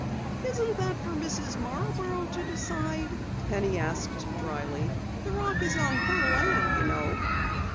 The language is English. "Isn't that for Mrs. Marborough to decide?" Penny asked dryly. "The rock is on her land, you know."